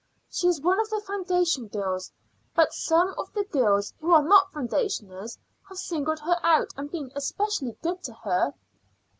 She is one of the foundation girls, but some of the girls who are not foundationers have singled her out and been specially good to her."